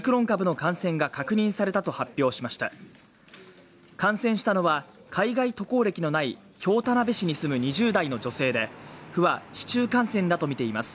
感染したのは海外渡航歴のない京田辺市に住む２０代の女性で、府は市中感染だとみています。